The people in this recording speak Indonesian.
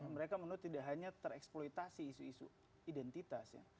mereka menuntut tidak hanya tereksploitasi isu isu identitas ya